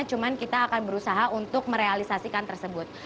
cuma kita akan berusaha untuk merealisasikan tersebut